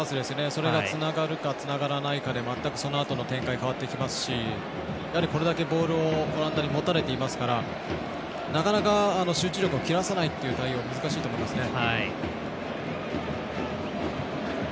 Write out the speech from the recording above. それがつながるかつながらないかでまったく、そのあとの展開変わってきますしこれだけボールをオランダに持たれていますからなかなか集中力を切らさないという対応は難しいと思いますね。